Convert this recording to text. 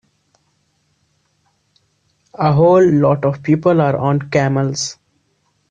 a whole lot of people are on camels.